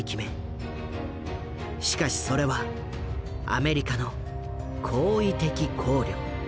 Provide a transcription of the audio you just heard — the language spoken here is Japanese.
しかしそれはアメリカの「好意的考慮」。